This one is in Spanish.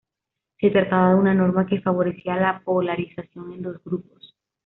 Se trataba de una norma que favorecía la polarización en dos grupos.